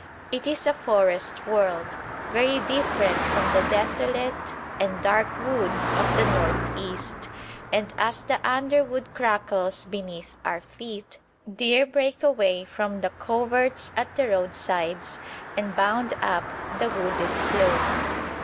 It is a forest world, very different from the desolate and dark woods of the north east, and as the underwood crackles beneath our feet, deer break away from the coverts at the roadsides and bound up the wooded slopes.